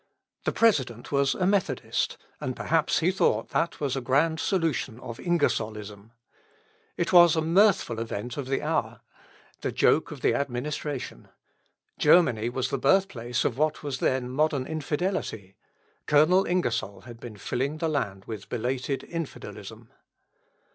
The President was a Methodist, and perhaps he thought that was a grand solution of Ingersollism. It was a mirthful event of the hour the joke of the administration. Germany was the birthplace of what was then modern infidelity, Colonel Ingersoll had been filling the land with belated infidelism.